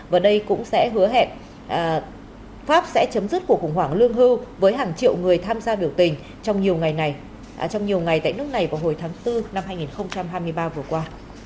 và đây cũng sẽ hứa hẹn pháp sẽ chấm dứt cuộc khủng hoảng lương hưu với hàng triệu người tham gia biểu tình trong nhiều ngày tại nước này vào hồi tháng bốn năm hai nghìn hai mươi ba vừa qua